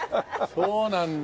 そうなんだ。